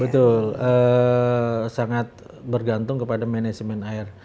betul sangat bergantung kepada manajemen air